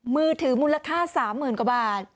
มือถือมูลค่า๓๐๐๐กว่าบาท